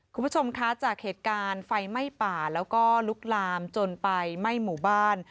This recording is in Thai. คุณผู้ชมคะจากเหตุการณ์ไฟไหม้ป่าแล้วก็ลุกลามจนไปไหม้หมู่บ้าน